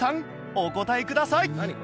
お答えください！